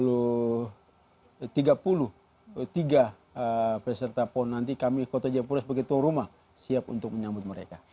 ya kota jayapura telah siap untuk menampung peserta dari dua puluh tiga peserta pon nanti kota jayapura sebagai toa rumah siap untuk menyambut mereka